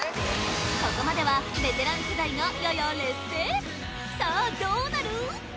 ここまではベテラン世代がやや劣勢さあどうなる？